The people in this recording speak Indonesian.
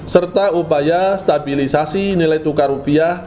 serta upaya stabilisasi nilai tukar rupiah